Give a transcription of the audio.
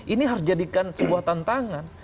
ini harus jadikan sebuah tantangan